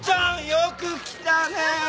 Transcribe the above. よく来たねえ！